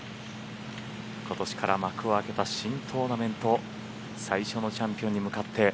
今年から幕を開けた新トーナメント最初のチャンピオンに向かって